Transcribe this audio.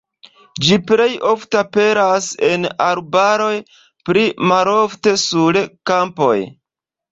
Ĝi plej ofte aperas en arbaroj, pli malofte sur kampoj.